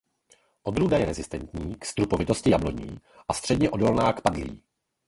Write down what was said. Odrůda je rezistentní k strupovitosti jabloní a středně odolná k padlí.